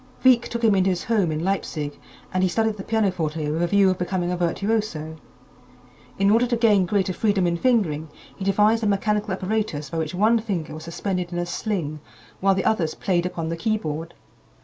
Wieck took him into his home in Leipzig and he studied the pianoforte with a view of becoming a virtuoso. In order to gain greater freedom in fingering, he devised a mechanical apparatus by which one finger was suspended in a sling while the others played upon the keyboard.